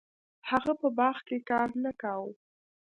هغه په باغ کې کار نه کاوه.